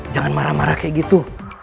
jangan marah marah kayak gitu